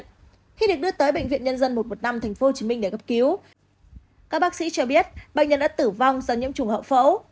trước khi được đưa tới bệnh viện nhân dân một trăm một mươi năm tp hcm để cấp cứu các bác sĩ cho biết bệnh nhân đã tử vong do nhiễm trùng hậu phẫu